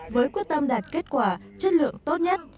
với quyết tâm đạt kết quả chất lượng tốt nhất